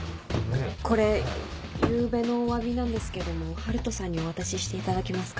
これ昨夜のお詫びなんですけども春斗さんにお渡ししていただけますか？